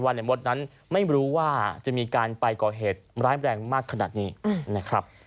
ในมดนั้นไม่รู้ว่าจะมีการไปก่อเหตุร้ายแรงมากขนาดนี้นะครับ